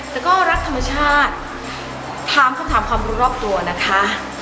แต่ก็รักธรรมชาติถามคำถามความรู้รอบตัวนะคะ